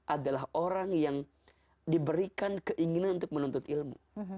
adalah orang yang diberikan keinginan untuk menuntut ilmu